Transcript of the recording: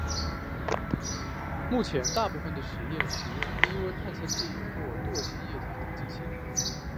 目前大部分的实验使用低温探测器或惰性液体探测器。